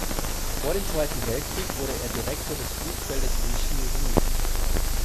Vor dem Zweiten Weltkrieg wurde er Direktor des Flugfeldes Vichy-Rhue.